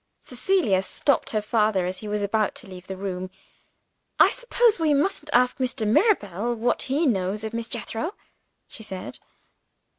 Cecilia stopped her father as he was about to leave the room. "I suppose we mustn't ask Mr. Mirabel what he knows of Miss Jethro?" she said.